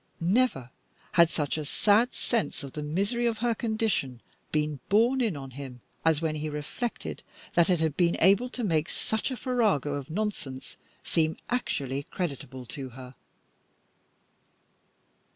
Never had such a sad sense of the misery of her condition been borne in upon him, as when he reflected that it had been able to make such a farrago of nonsense seem actually creditable to her.